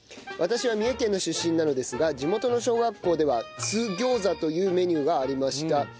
私は三重県の出身なのですが地元の小学校では「津ぎょうざ」というメニューがありました。